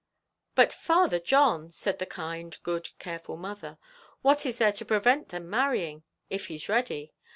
"But, Father John," said the kind, good, careful mother, "what is there to prevent them marrying, if he's ready?